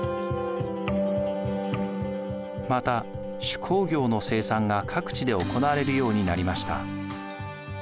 また手工業の生産が各地で行われるようになりました。